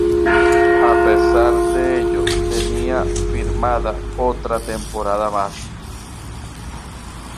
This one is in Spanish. A pesar de ello, tenía firmada otra temporada más.